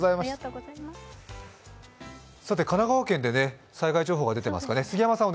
さて、神奈川県で災害情報が出ていますかね。